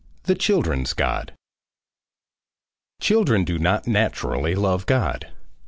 THE CHILDREN'S GOD Children do not naturally love God.